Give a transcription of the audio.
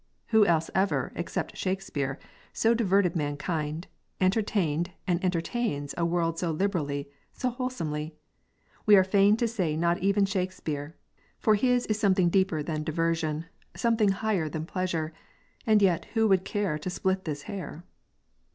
Who else ever, except Shakespeare, so diverted mankind, entertained and entertains a world so liberally, so wholesomely? We are fain to say not even Shakespeare, for his is something deeper than diversion, something higher than pleasure; and yet who would care to split this hair?